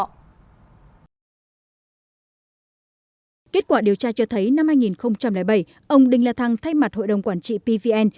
kết quả điều tra cho thấy năm hai nghìn bảy ông đinh la thăng thay mặt hội đồng quản trị pvn